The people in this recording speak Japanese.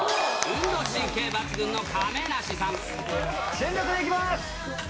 全力でいきます！